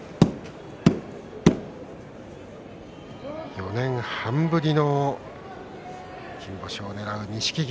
４年半ぶりの金星をねらう錦木。